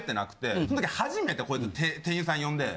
そん時初めてこいつ店員さん呼んで。